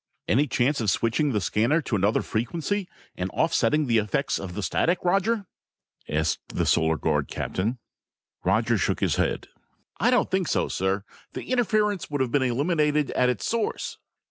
"Any chance of switching the scanner to another frequency and offsetting the effects of the static, Roger?" asked the Solar Guard captain. Roger shook his head. "I don't think so, sir. The interference would have to be eliminated at its source."